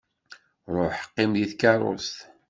Ruḥ qqim deg tkeṛṛust.